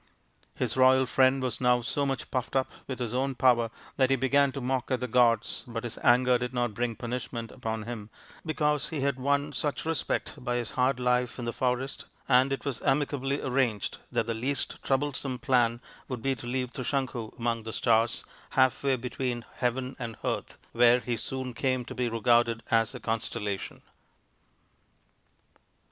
His royal friend was now so much puffed up with his own power that he began to mock at the gods, but his anger did not bring punishment upon him because he had won such respect by his hard life in the forest ; and it was amicably arranged that the least troublesome plan would be to leave Trisanku among the stars, half way between heaven and earth, where he soon came to be regarded as a constellation.